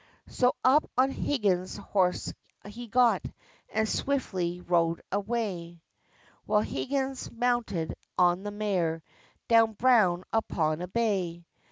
So up on Huggins' horse he got, And swiftly rode away, While Hugging mounted on the mare, Done brown upon a bay!